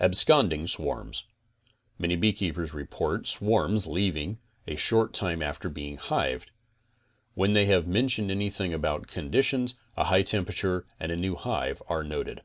ABSCONDING SWARMS XN Many beekeepers report swarms leaving a short time after being hived. When they have mentioned anything about con ditions, a high temperature and a new hive are noted.